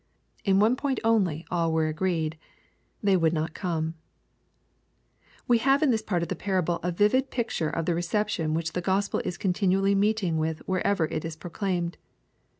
In one point only all were agreed. They would not come. We have in this part of the parable a vivid picture of the reception which the Gospel is continually meeting with wherever it is proclaimed.